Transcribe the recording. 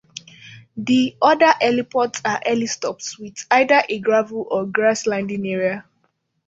The other heliports are helistops with either a gravel or grass landing area.